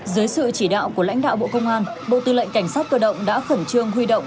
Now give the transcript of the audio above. dưới sự chỉ đạo của lãnh đạo bộ công an bộ tư lệnh cảnh sát cơ động đã khẩn trương huy động